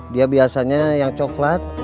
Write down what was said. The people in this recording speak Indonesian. dia biasanya yang coklat